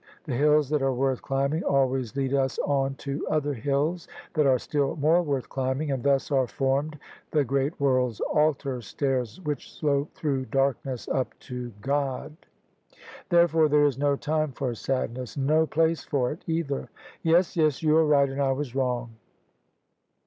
The hills that are worth climbing always lead us on to other hills that are still more worth climbing; and thus are formed the 'great world's altar stairs, which slope through darkness up to God.' Therefore there is no time for sadness, and no place for it either." "Yes, yes: you are right and I was wrong.